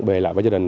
về lại với gia đình